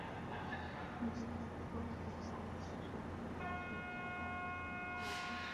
দুর্ভাগ্যবশত, আমাদের সমুদ্র সফরে যাওয়ার দিনে আমাদের শিক্ষক নিবন্ধন পরীক্ষা ছিল।